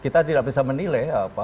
kita tidak bisa menilai